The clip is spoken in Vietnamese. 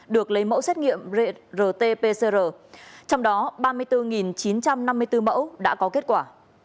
được lấy mẫu xét nghiệm rt pcr trong đó ba mươi bốn chín trăm năm mươi bốn mẫu đã có kết quả